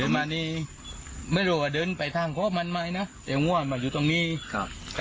มานี้ไม่รู้ว่าเดินไปทางเพราะมันไหมนะแต่งั่วมาอยู่ตรงนี้ครับ